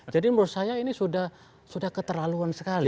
jadi menurut saya ini sudah keterlaluan sekali